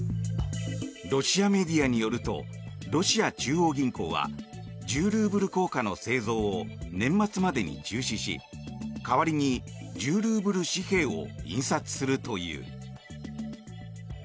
ロシアメディアによるとロシア中央銀行は１０ルーブル硬貨の製造を年末までに中止し代わりに１０ルーブル紙幣を印刷するという。